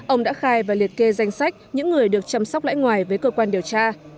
ông đã khai và liệt kê danh sách những người được chăm sóc lãi ngoài với cơ quan điều tra